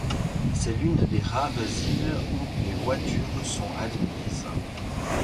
C'est l'une des rares îles où les voitures sont admises.